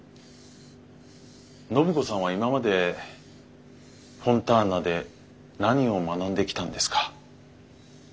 暢子さんは今までフォンターナで何を学んできたんですか？